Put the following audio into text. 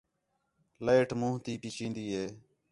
لائٹ مُون٘ھ تی پئی چین٘دی ہے